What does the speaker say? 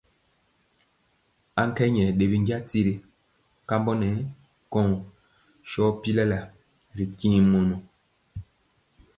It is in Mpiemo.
Aŋkɛ nyɛ ɗe binja tiri kambɔ nɛ kɔŋ sɔ pilalaa ri tiŋ mɔnɔ.